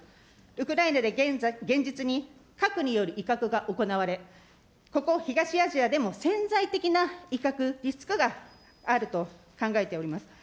ウクライナで現実に核による威嚇が行われ、ここ東アジアでも潜在的な威嚇リスクがあると考えております。